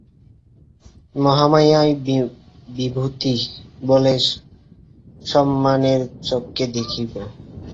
মহামায়ার বিভূতি বলে সম্মানের চক্ষে দেখবি।